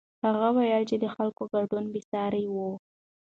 هغه وویل چې د خلکو ګډون بېساری و.